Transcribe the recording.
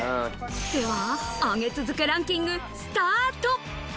では上げ続けランキングスタート。